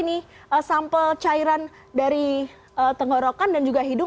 ini sampel cairan dari tenggorokan dan juga hidung